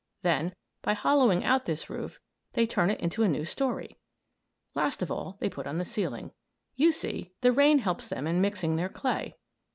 Then, by hollowing out this roof, they turn it into a new story. Last of all they put on the ceiling. You see the rain helps them in mixing their clay.